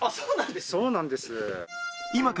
そうなんですか。